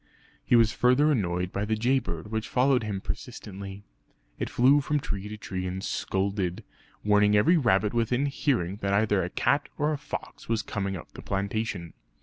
He was further annoyed by the jay bird which followed him persistently. It flew from tree to tree and scolded, warning every rabbit within hearing that either a cat or a fox was coming up the plantation.